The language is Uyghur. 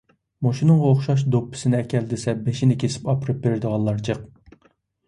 مۇشۇنىڭغا ئوخشاش «دوپپىسىنى ئەكەل» دېسە، بېشىنى كېسىپ ئاپىرىپ بېرىدىغانلار جىق.